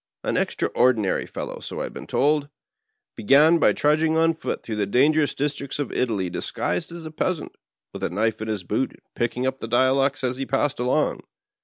An extraordi nary fellow, so I've been told — began by trudging on foot through all the dangerous districts of Italy disguised as a peasant, with a knife in his boot, and picking up the dialects as he passed along.